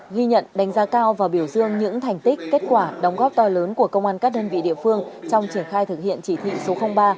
ghi nhận đánh giá cao và biểu dương những thành tích kết quả đóng góp to lớn của công an các đơn vị địa phương trong triển khai thực hiện chỉ thị số ba